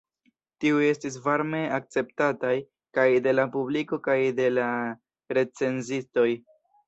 Tiuj estis varme akceptataj kaj de la publiko kaj de la recenzistoj.